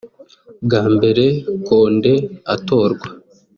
Bwa mbere Conde atorwa